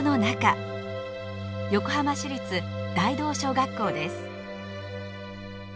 横浜市立大道小学校です。